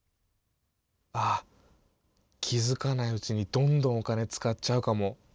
あっ気づかないうちにどんどんお金使っちゃうかも。